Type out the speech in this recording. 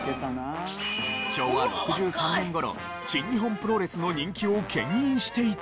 昭和６３年頃新日本プロレスの人気を牽引していたのは。